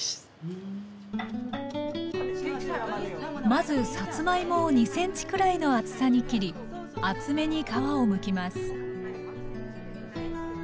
まずさつまいもを２ｃｍくらいの厚さに切り厚めに皮をむきます